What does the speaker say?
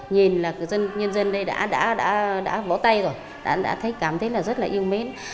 nhìn là nhân dân đây đã võ tay rồi đã cảm thấy rất là yêu mến